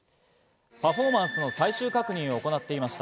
パフォーマンスの最終確認を行っていました。